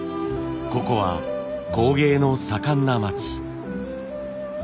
ここは工芸の盛んな町。